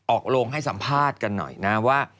ลงให้สัมภาษณ์กันหน่อยนะว่า